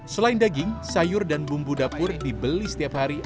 selain daging sayur dan bumbu dapur dibeli setiap hari